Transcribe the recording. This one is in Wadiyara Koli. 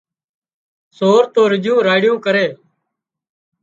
سور تو رُڄيون راڙيون ڪري